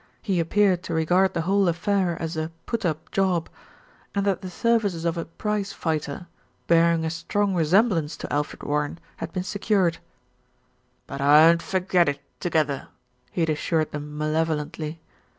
He appeared to re gard the whole affair as "a put up job," and that the services of a prize fighter, bearing a strong resemblance to Alfred Warren had been secured; "but I 'oan't for get it, together," he had assured them malevolently.